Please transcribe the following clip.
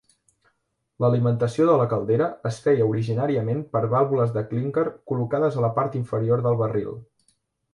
L'alimentació de la caldera es feia originàriament per vàlvules de clínquer col·locades a la part inferior del barril.